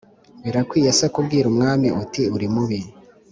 Birakwiriye se kubwira umwami uti Uri mubi